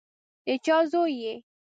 د چا زوی یې؟